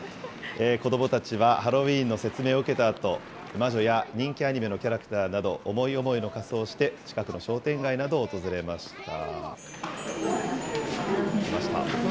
子どもたちはハロウィーンの説明を受けたあと、魔女や人気アニメのキャラクターなど、思い思いの仮装をして、近くの商店街などを訪れました。